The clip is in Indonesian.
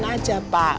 pak ikhlasin aja pak